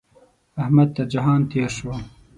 احمد تر جهان تېر شو.